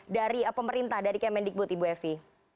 dari pemerintah dari kmn digbud ibu evi